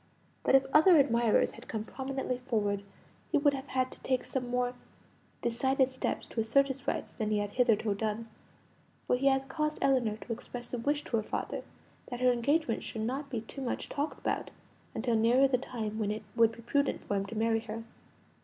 But if other admirers had come prominently forward, he would have had to take some more decided steps to assert his rights than he had hitherto done; for he had caused Ellinor to express a wish to her father that her engagement should not be too much talked about until nearer the time when it would be prudent for him to marry her.